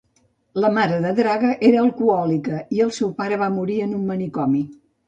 La mare de Draga era alcohòlica i el seu pare va morir en un manicomi.